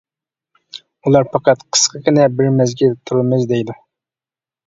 ئۇلار پەقەت قىسقىغىنە بىر مەزگىل تۇرىمىز، دەيدۇ.